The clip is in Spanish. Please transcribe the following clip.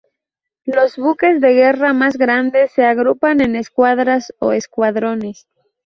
Los buques de guerra más grandes se agrupan en escuadras o escuadrones.